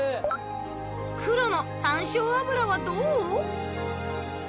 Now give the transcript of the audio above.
黒の山椒油はどう？